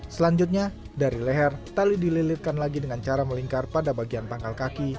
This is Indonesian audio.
selanjutnya dari leher tali dililitkan lagi dengan cara melingkar pada bagian pangkal kaki